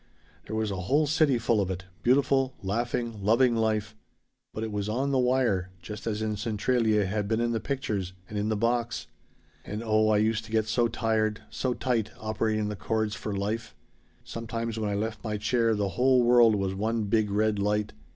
There was a whole city full of it beautiful, laughing, loving Life. But it was on the wire just as in Centralia it had been in the pictures and in the box. And oh I used to get so tired so tight operating the cords for Life. Sometimes when I left my chair the whole world was one big red light.